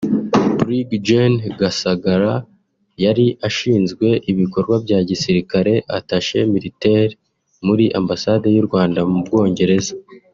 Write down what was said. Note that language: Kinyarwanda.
Brig Gen Rusagara yari ashinzwe ibikorwa bya gisirikari (attaché militaire) muri Ambasade y’u Rwanda mu Bwongereza